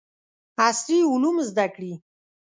عصري علوم زده کړي.